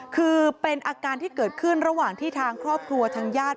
คือเป็นอาการที่เกิดขึ้นระหว่างที่ทางครอบครัวทางญาติ